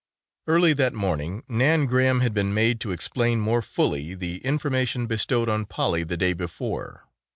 Early that morning Nan Graham had been made to explain more fully the information bestowed on Polly the day before.